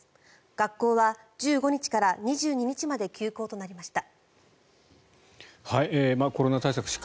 学校は１５日から２２日まで休校となりました。